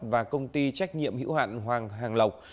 và công ty trách nhiệm hữu hạn hoàng hàng lộc